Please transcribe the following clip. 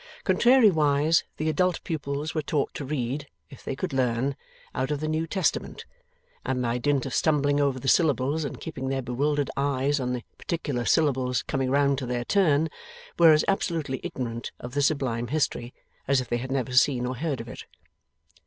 Contrariwise, the adult pupils were taught to read (if they could learn) out of the New Testament; and by dint of stumbling over the syllables and keeping their bewildered eyes on the particular syllables coming round to their turn, were as absolutely ignorant of the sublime history, as if they had never seen or heard of it.